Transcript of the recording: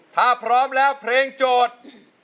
ถ้าพร้อมแล้วเพลงโจทย์